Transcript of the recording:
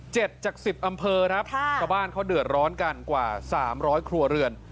จากสิบอำเภอครับค่ะชาวบ้านเขาเดือดร้อนกันกว่าสามร้อยครัวเรือน